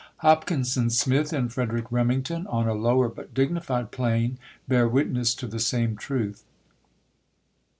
Hopkinson Smith and Frederic Remington, on a lower but dignified plane, bear witness to the same truth.